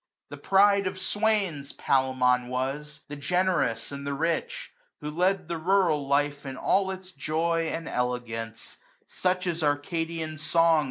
The pride of swains Palemon was, the generous and the rich j Who led the rural life in all its joy And elegance, such as Arcadian song 220 130 AUTUMN.